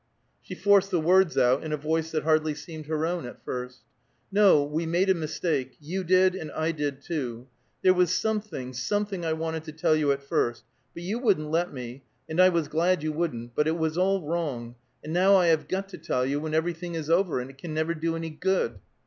She forced the words out in a voice that hardly seemed her own at first. "No, we made a mistake; you did, and I did, too. There was something something I wanted to tell you at first, but you wouldn't let me, and I was glad you wouldn't; but it was all wrong, and now I have got to tell you, when everything is over, and it can never do any good."